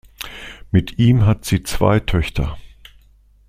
Mit ihm hat sie zwei Töchter.